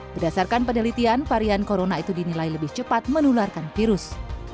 berdasarkan penelitian varian corona itu dinilai lebih cepat menularkan virus